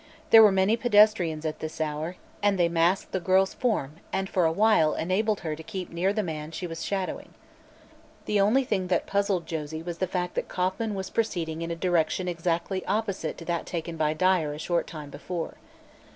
There were many pedestrians at this hour and they masked the girl's form and for a while enabled her to keep near to the man she was shadowing. The only thing that puzzled Josie was the fact that Kauffman was proceeding in a direction exactly opposite that taken by Dyer a short time before.